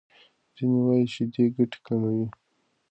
ځینې وايي شیدې ګټې کموي.